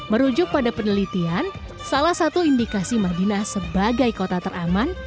merujuk pada penelitian salah satu indikasi madinah sebagai kota teraman